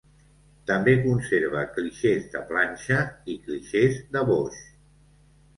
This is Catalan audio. També conserva clixés de planxa i clixés de boix.